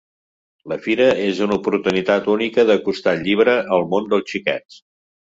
La fira és una oportunitat única d’acostar el llibre al món dels xiquets.